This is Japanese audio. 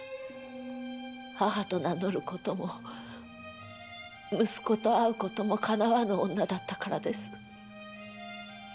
母と名乗ることも息子と会うこともかなわぬ女だったからです！